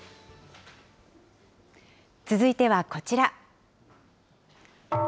続いてはこちら。